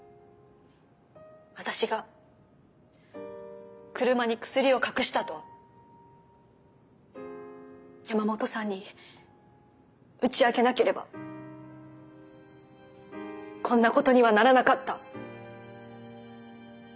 私が車にクスリを隠したと山本さんに打ち明けなければこんなことにはならなかった。